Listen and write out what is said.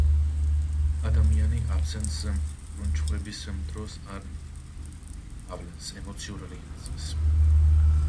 ადამიანი აბსენს კრუნჩხვების დროს არ ავლენს ემოციურ რეაქციას.